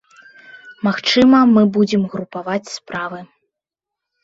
Магчыма, мы будзем групаваць справы.